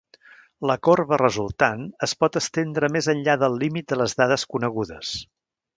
La corba resultant es pot estendre més enllà del límit de les dades conegudes.